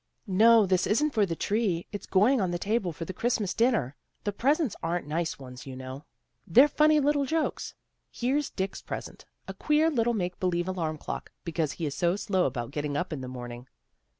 "No, this isn't for the tree. It's going on the table for the Christmas dinner. The presents aren't nice ones, you know. They're funny little jokes. Here's Dick's present, a queer little make believe alarm clock, because he is so slow about getting up in the morning."